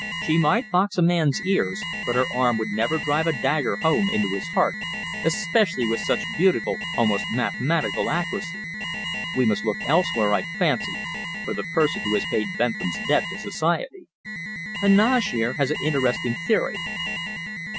She might box a man's ears, but her arm would never drive a dagger home into his heart, especially with such beautiful, almost mathematical accuracy. We must look elsewhere, I fancy, for the person who has paid Bentham's debt to society. Heneage, here, has an interesting theory."